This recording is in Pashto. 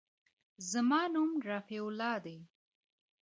زما نوم رفيع الله دى.